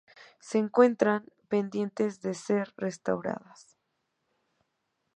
Se encuentran pendientes de ser restauradas.